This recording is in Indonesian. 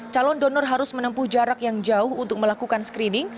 calon donor harus menempuh jarak yang jauh untuk melakukan screening